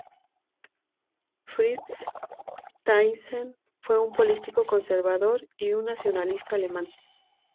Fritz Thyssen fue un político conservador y un nacionalista alemán.